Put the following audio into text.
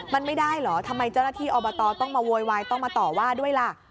มันไม่ได้เหรอทำไมเจ้าหน้าที่อบตต้องมาโวยวายต้องมาต่อว่าด้วยล่ะ